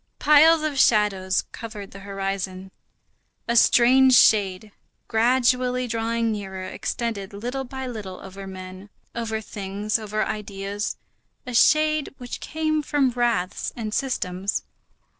Piles of shadows covered the horizon. A strange shade, gradually drawing nearer, extended little by little over men, over things, over ideas; a shade which came from wraths and systems.